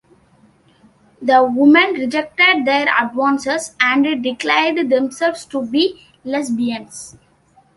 The women rejected their advances and declared themselves to be lesbians.